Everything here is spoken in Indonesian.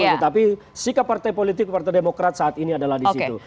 tetapi sikap partai politik partai demokrat saat ini adalah di situ